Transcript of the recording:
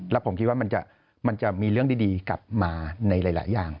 แล้วผมคิดว่ามันจะมีเรื่องดีกลับมาในหลายอย่าง